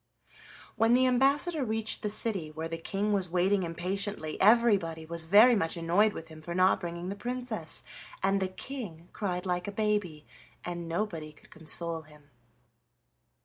When the ambassador reached the city, where the King was waiting impatiently, everybody was very much annoyed with him for not bringing the Princess, and the King cried like a baby, and nobody could console him.